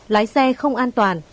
lái xe không an toàn